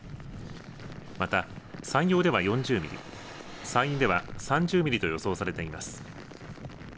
また、山陽では４０ミリ山陰では３０ミリと予想されています。